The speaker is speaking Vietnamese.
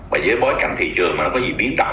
và dưới bối cảnh thị trường mà nó có gì biến động